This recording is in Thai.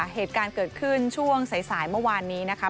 เหตุการณ์เกิดขึ้นช่วงสายเมื่อวานนี้นะคะ